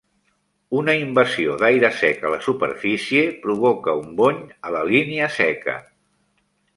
Una invasió d'aire sec a la superfície provoca un bony a la línia seca.